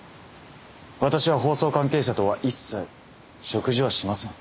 私は法曹関係者とは一切食事はしません。